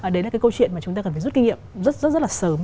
đấy là cái câu chuyện mà chúng ta cần phải rút kinh nghiệm rất rất là sớm